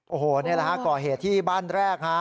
โอ้โหนี่แหละฮะก่อเหตุที่บ้านแรกฮะ